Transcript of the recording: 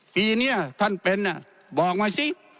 ปีเนี่ยท่านเป็นอ่ะบอกมาซิ